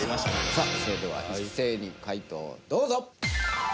さあそれでは一斉に解答をどうぞ。